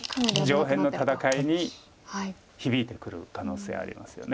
上辺の戦いに響いてくる可能性ありますよね。